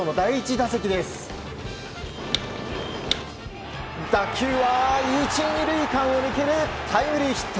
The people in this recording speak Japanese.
打球は１、２塁間を抜けるタイムリーヒット。